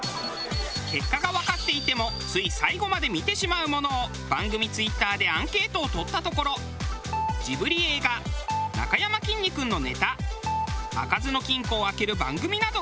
結果がわかっていてもつい最後まで見てしまうものを番組Ｔｗｉｔｔｅｒでアンケートを取ったところジブリ映画なかやまきんに君のネタ開かずの金庫を開ける番組などが挙がりました。